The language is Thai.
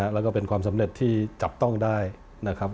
แล้วก็เป็นความสำเร็จที่จับต้องได้นะครับ